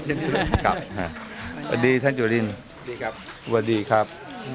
สวัสดีท่านจุดยอดสวัสดีครับ